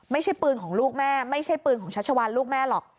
ไม่ใช่ปืนของลูกแม่ไม่ใช่ปืนของชัชวานลูกแม่หรอก